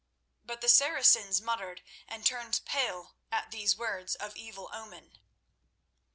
But the Saracens muttered and turned pale at these words of evil omen.